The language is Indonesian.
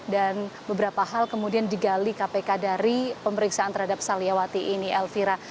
beberapa hal kemudian digali kpk dari pemeriksaan terhadap saliawati ini elvira